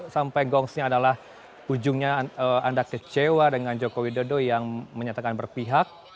sampai gongs nya adalah ujungnya anda kecewa dengan jokowi dodo yang menyatakan berpihak